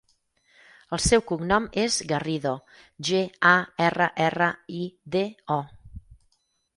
El seu cognom és Garrido: ge, a, erra, erra, i, de, o.